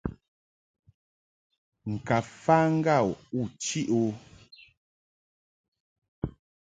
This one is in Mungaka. Ŋka fa ŋga u chiʼ o.